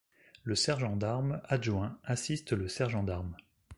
Le sergent d'arme adjoint assiste le sergent d'arme.